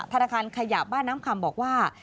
ธนาคารขยะบ้านน้ำคำบอกว่า